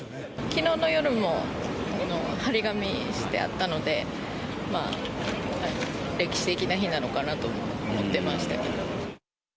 きのうの夜も貼り紙してあったので、歴史的な日なのかなと思ってましたけど。